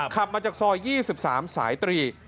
ขับมาจากซอย๒๓สายตรี